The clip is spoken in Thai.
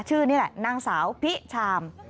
นี่แหละนางสาวพิชาม